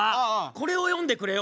これを詠んでくれよ。